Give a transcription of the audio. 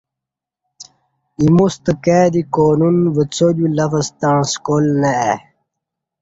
ایموستہ کائی دی قانون وڅادیو لفظ تݩع سکال نہ ائے